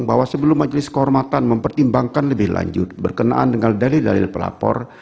bahwa sebelum majelis kehormatan mempertimbangkan lebih lanjut berkenaan dengan dalil dalil pelapor